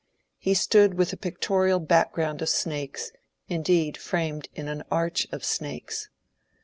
He stood with a pictorial background of snakes, indeed framed in an arch of snakes.